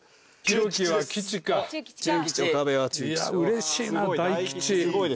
うれしいな大吉。